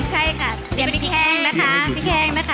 ใช่ค่ะเตรียมพริกแห้งนะคะ